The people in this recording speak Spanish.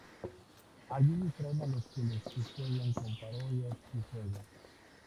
Allí distraen a los que les custodian con parodias y juegos.